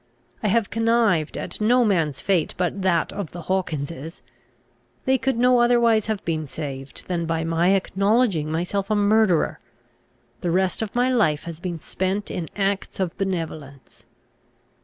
I have connived at no man's fate but that of the Hawkinses: they could no otherwise have been saved, than by my acknowledging myself a murderer. The rest of my life has been spent in acts of benevolence.